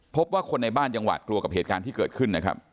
พบว่าคนในบ้านยังหวาดกลัวกับเหตุการณ์ที่เกิดขึ้นนะครับ